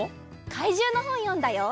かいじゅうのほんよんだよ！